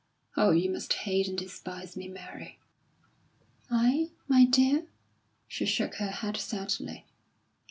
Oh, you must hate and despise me, Mary!" "I, my dear?" she shook her head sadly.